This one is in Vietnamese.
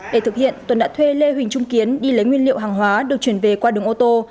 để thực hiện tuấn đã thuê lê huỳnh trung kiến đi lấy nguyên liệu hàng hóa được chuyển về qua đường ô tô